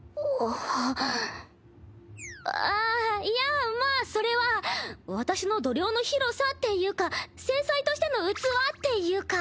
あっいやまあそれは私の度量の広さっていうか正妻としての器っていうか。